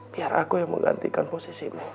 biar aku yang menggantikan posisimu